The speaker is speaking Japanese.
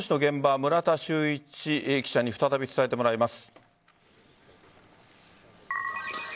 村田修一記者に再び伝えてもらいます。